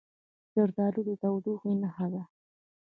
زردالو د تودوخې نښه ده.